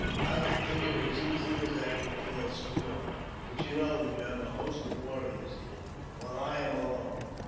I could kill you as easily as I could ^ kill a squaw, but you know that you have a host of warriors M here, while I am alone.